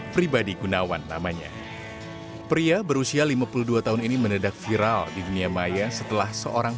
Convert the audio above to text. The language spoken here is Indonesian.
pribadi gunawan namanya pria berusia lima puluh dua tahun ini menedak viral di dunia maya setelah seorang